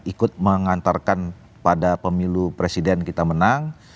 ikut mengantarkan pada pemilu presiden kita menang